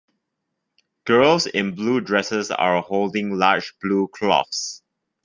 Girls in blue dresses are holding large blue cloths.